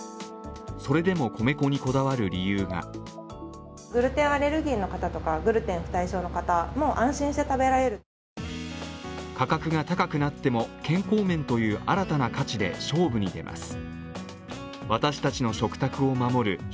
それでも、米粉にこだわる理由が価格が高くなっても健康面という新たな価値で勝負に出ます。